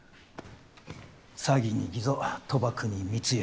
詐欺に偽造賭博に密輸。